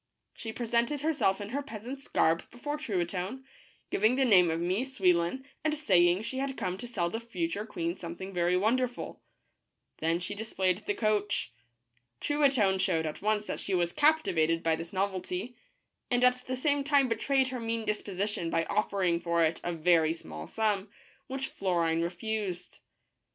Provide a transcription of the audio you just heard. She presented herself in her peas ant's garb before Truitonne, giving the name of Mie Souil lon and saying she had come to sell the future queen something very wonderful. Then she displayed the coach. Truitonne showed at once that she was captivated by this novelty, and at the same time betrayed her mean disposition by offering for it a very small sum, which Florine refused.